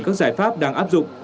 các giải pháp đang áp dụng